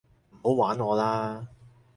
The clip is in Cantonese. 唔好玩我啦